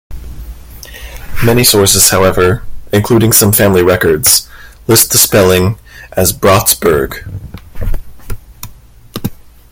Many sources, however, including some family records, list the spelling as "Bratsburg".